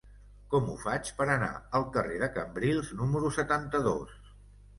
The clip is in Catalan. Com ho faig per anar al carrer de Cambrils número setanta-dos?